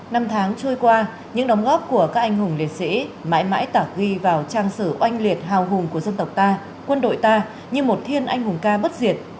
năm tháng trôi qua những đóng góp của các anh hùng liệt sĩ mãi mãi tả ghi vào trang sử oanh liệt hào hùng của dân tộc ta quân đội ta như một thiên anh hùng ca bất diệt